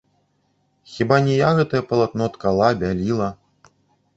Хіба не я гэтае палатно ткала, бяліла?